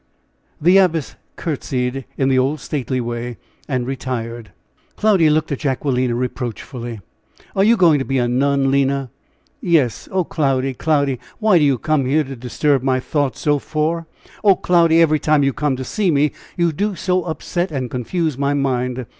The Abbess curtsied in the old stately way, and retired. Cloudy looked at Jacquelina reproachfully. "Are you going to be a nun, Lina?" "Yes. Oh, Cloudy, Cloudy! what do you come here to disturb my thoughts so for? Oh, Cloudy! every time you come to see me, you do so upset and confuse my mind!